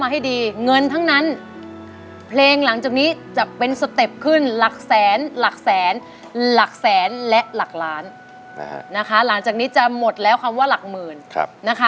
หลังจากนี้จะหมดแล้วคำว่าหลักหมื่นนะคะ